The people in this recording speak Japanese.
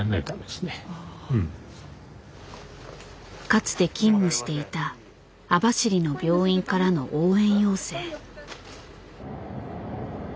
かつて勤務していた網走の病院からの応援要請。